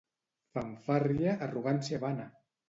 Fanfàrria, arrogància vana!